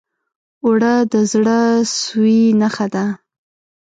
اوړه د زړه سوي نښه ده